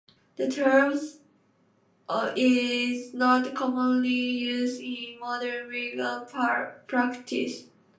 The term is not commonly used in modern legal practice.